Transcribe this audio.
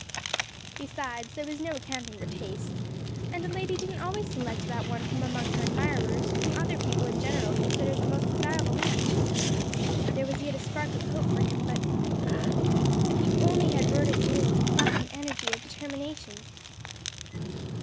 Besides there was no accounting for tastes and a lady didn't always select that one from among her admirers whom other people in general considered the most desirable match. There was yet a spark of hope for him, but ah if he only had Rhoda Jane's pluck and energy of determination!